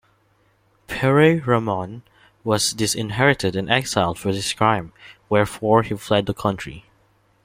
Pere-Ramon was disinherited and exiled for his crime wherefore he fled the country.